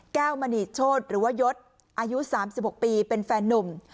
แก้วมณีโชฑ์หรือว่ายศอายุสามสิบหกปีเป็นแฟนนุ่ม